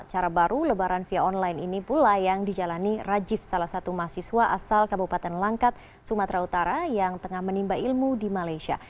cara baru lebaran via online ini pula yang dijalani rajif salah satu mahasiswa asal kabupaten langkat sumatera utara yang tengah menimba ilmu di malaysia